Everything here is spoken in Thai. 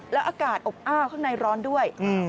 แล้วอากาศอบอ้าวข้างในร้อนด้วย